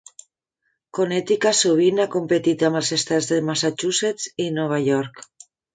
Connecticut sovint ha competit amb els estats de Massachusetts i Nova York.